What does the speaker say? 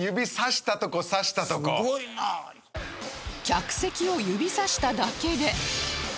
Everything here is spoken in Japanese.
客席を指さしただけで